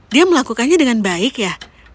dia melakukannya dengan baik ya